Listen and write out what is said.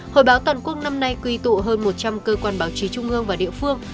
hội báo toàn quốc năm nay quy tụ hơn một trăm linh cơ quan báo chí trung ương và địa phương